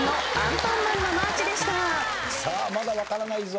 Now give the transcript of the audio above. さあまだ分からないぞ。